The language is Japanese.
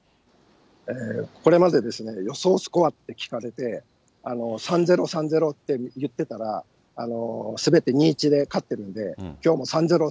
これまでですね、予想スコアって聞かれて、３ー０、３ー０って言ってたら、言ってたら、すべて２ー１で勝ってるんで、きょうも３ー０で。